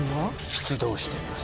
出動しています